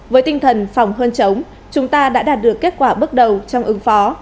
với tinh thần phòng hơn chống chúng ta đã đạt được kết quả bước đầu trong ứng phó